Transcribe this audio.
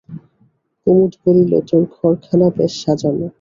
কুমুদ বলিল, তোর ঘরখানা বেশ সাজানো।